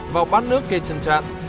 vào bát nước kê chân trạn